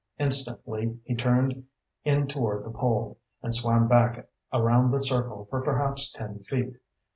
Instantly he turned in toward the pole, and swam back around the circle for perhaps ten feet.